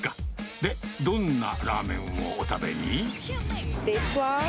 で、どんなラーメンをお食べに？